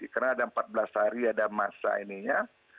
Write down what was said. karena ada empat belas hari ada masa ini ya